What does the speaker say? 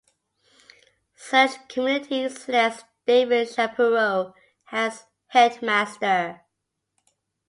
Search committee selects David Shapiro as Headmaster.